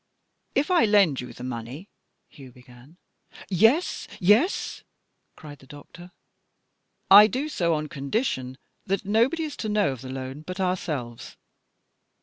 "If I lend you the money " Hugh began. "Yes? Yes?" cried the doctor. "I do so on condition that nobody is to know of the loan but ourselves."